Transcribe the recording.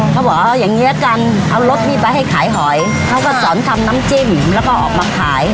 เขาบอกเอาอย่างนี้ละกันเอารถนี่ไปให้ขายหอยเขาก็สอนทำน้ำจิ้มแล้วก็ออกมาขาย